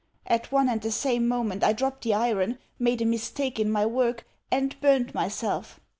At one and the same moment I dropped the iron, made a mistake in my work, and burned myself!